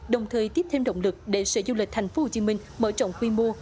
đồng thời tiếp thêm động lực để sự du lịch thành phố hồ chí minh mở trọng khuyên mô